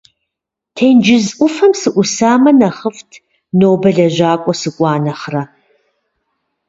Тенджыз ӏуфэм сыӏусамэ нэхъыфӏт, нобэ лэжьакӏуэ сыкӏуа нэхърэ!